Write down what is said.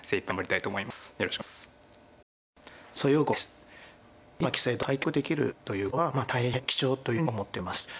井山棋聖と対局できるということは大変貴重というふうに思っております。